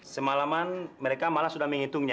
semalaman mereka malah sudah menghitungnya